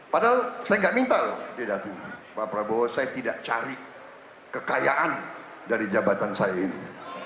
padahal saya nggak minta loh pak prabowo saya tidak cari kekayaan dari jabatan saya ini